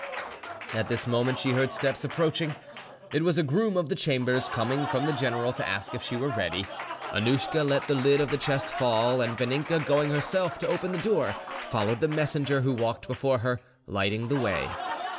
At this moment she heard steps approaching. It was a groom of the chambers coming from the general to ask if she were ready. Annouschka let the lid of the chest fall, and Vaninka going herself to open the door, followed the messenger, who walked before her, lighting the way.